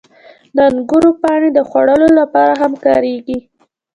• د انګورو پاڼې د خوړو لپاره هم کارېږي.